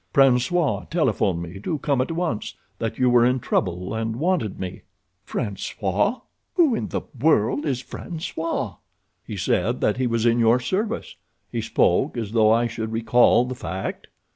"François telephoned me to come at once; that you were in trouble and wanted me." "François? Who in the world is François?" "He said that he was in your service. He spoke as though I should recall the fact."